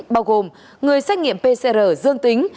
bao gồm người xét nghiệm pcr dương tính